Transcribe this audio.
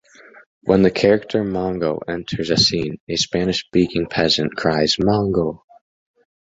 When the character Mongo enters a scene, a Spanish-speaking peasant cries, Mongo!